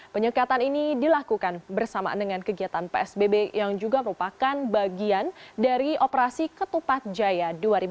penyekatan ini dilakukan bersamaan dengan kegiatan psbb yang juga merupakan bagian dari operasi ketupat jaya dua ribu dua puluh